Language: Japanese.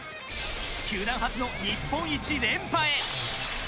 球団初の日本一連覇へ。